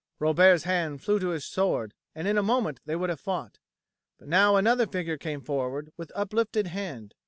Robert's hand flew to his sword, and in a moment they would have fought. But now another figure came forward with uplifted hand.